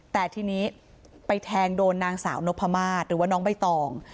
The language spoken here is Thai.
แต่ทีนี้ไปแทงโดนนางสาวนพมาศหรือว่าน้องใบตอง